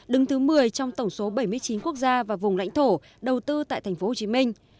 đứng thứ một mươi trong tổng số bảy mươi chín quốc gia và vùng lãnh thổ đầu tư tại tp hcm